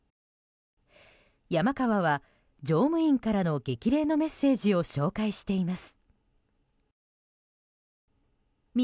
山川は乗務員からの激励のメッセージを紹介しています。